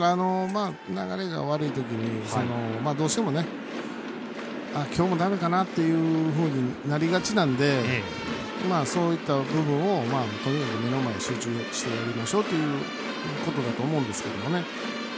流れが悪い時にどうしても、今日もだめかなというふうになりがちなのでそういった部分をとにかく目の前集中してやりましょうということだと思うんですけども。